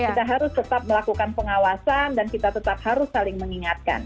kita harus tetap melakukan pengawasan dan kita tetap harus saling mengingatkan